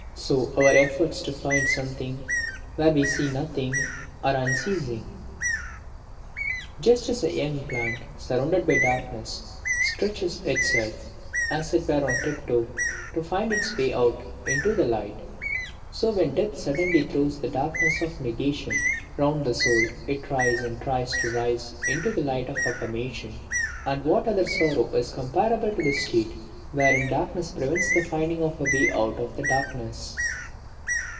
So our efforts to find something, where we see nothing, are unceasing. Just as a young plant, surrounded by darkness, stretches itself, as it were on tiptoe, to find its way out into the light, so when death suddenly throws the darkness of negation round the soul it tries and tries to rise into the light of affirmation. And what other sorrow is comparable to the state wherein darkness prevents the finding of a way out of the darkness?